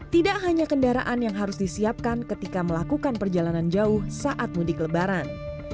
tidak hanya kendaraan yang harus disiapkan ketika melakukan perjalanan jauh saat mudik lebaran